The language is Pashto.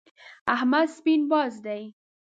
احمد سپين باز دی.